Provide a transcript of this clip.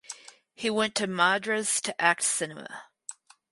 He went to madras to act cinema.